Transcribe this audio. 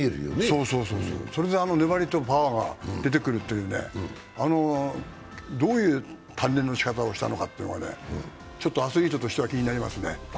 それであの粘りとパワーが出てくるっていうね、どういう鍛錬のしかたをしたのかというのがアスリートとしては気になりますね。